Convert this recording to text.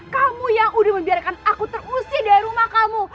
kamu yang udah membiarkan aku terusik dari rumah kamu